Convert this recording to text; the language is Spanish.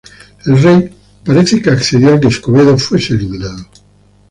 El rey parece que accedió a que Escobedo fuese eliminado.